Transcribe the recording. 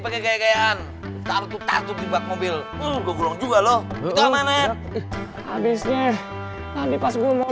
pakai gaya gayaan taruh tutas juga mobil gua juga loh abisnya tadi pas gua mau